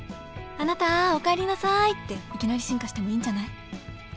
「あなたおかえりなさい」っていきなり進化してもいいんじゃない？